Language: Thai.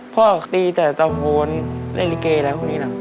พ่อตีแต่ตะโภนเรลิเกย์แล้วพวกนี้นะ